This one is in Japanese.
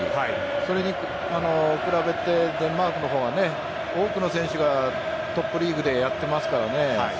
それに比べてデンマークは多くの選手がトップリーグでやってますから。